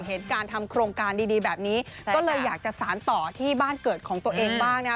เห็นการทำโครงการดีแบบนี้ก็เลยอยากจะสารต่อที่บ้านเกิดของตัวเองบ้างนะฮะ